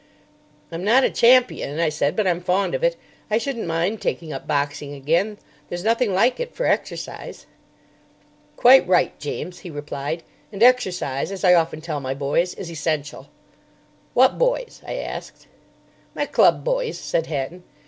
"I'm not a champion," I said; "but I'm fond of it. I shouldn't mind taking up boxing again. There's nothing like it for exercise." "Quite right, James," he replied; "and exercise, as I often tell my boys, is essential." "What boys?" I asked. "My club boys," said Hatton.